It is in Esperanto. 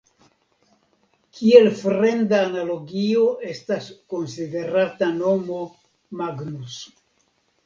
Kiel fremda analogio estas konsiderata nomo "Magnus".